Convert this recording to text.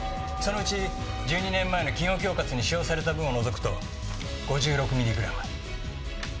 そのうち１２年前の企業恐喝に使用された分を除くと５６ミリグラム。